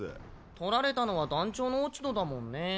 取られたのは団長の落ち度だもんね。